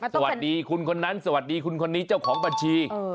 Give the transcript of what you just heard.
สวัสดีคุณคนนั้นสวัสดีคุณคนนี้เจ้าของบัญชี